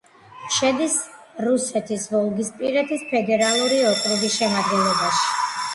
შედის რუსეთის ვოლგისპირეთის ფედერალური ოკრუგის შემადგენლობაში.